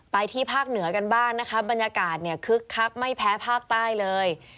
ที่ภาคเหนือกันบ้างนะคะบรรยากาศเนี่ยคึกคักไม่แพ้ภาคใต้เลย